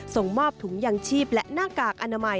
ส่งมอบถุงยังชีพและหน้ากากอนามัย